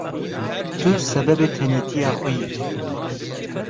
Tu sebebê tenêtiya xwe yî.